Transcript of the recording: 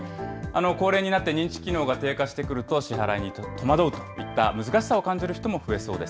高齢になって認知機能が低下してくると、支払いに戸惑うといった、難しさを感じる人も増えそうです。